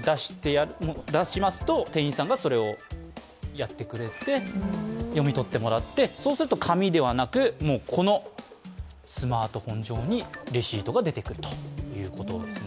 出しますと店員さんがそれをやってくれて読み取ってもらって、そうすると紙ではなくスマートフォン上にレシートが出てくるということですね。